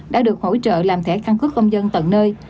đã được hỗ trợ làm thẻ căn cước công dân tận nơi